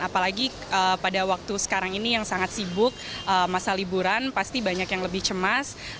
apalagi pada waktu sekarang ini yang sangat sibuk masa liburan pasti banyak yang lebih cemas